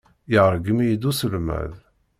Yergem-iyi-d uselmad.